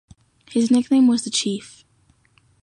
His nickname was "the Chief".